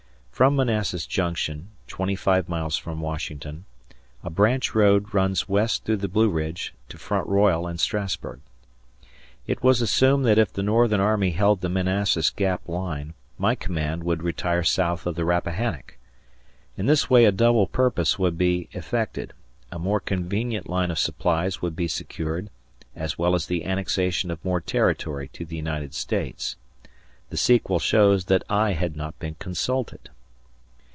From Manassas Junction twenty five miles from Washington a branch road runs west through the Blue Ridge to Front Royal and Strassburg. It was assumed that if the Northern army held the Manassas Gap line, my command would retire south of the Rappahannock. In this way a double purpose would be effected; a more convenient line of supplies would be secured, as well as the annexation of more territory to the United States. The sequel shows that I had not been consulted.